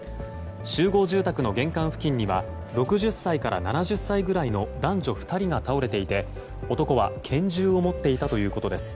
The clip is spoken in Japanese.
集合住宅の玄関付近には６０歳から７０歳ぐらいの男女２人が倒れていて男は拳銃を持っていたということです。